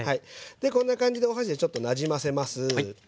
こんな感じでお箸でちょっとなじませます。